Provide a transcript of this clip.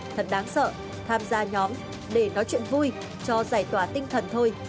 thật đáng sợ tham gia nhóm để nói chuyện vui cho giải tỏa tinh thần thôi